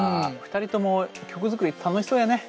２人とも曲作り楽しそうやね。